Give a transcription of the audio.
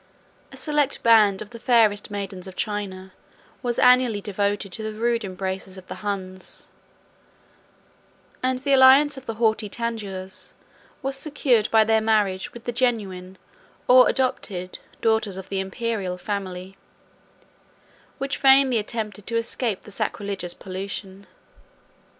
A select band of the fairest maidens of China was annually devoted to the rude embraces of the Huns; 36 and the alliance of the haughty Tanjous was secured by their marriage with the genuine, or adopted, daughters of the Imperial family, which vainly attempted to escape the sacrilegious pollution.